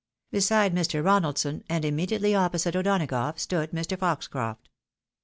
Beside Mr. Konaldson, and immediately opposite O'Donagough stood Mr. Foxcroft.